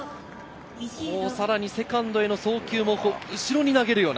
さらにセカンドへの送球も後ろに投げるような。